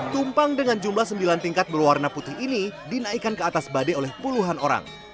tumpang dengan jumlah sembilan tingkat berwarna putih ini dinaikkan ke atas badai oleh puluhan orang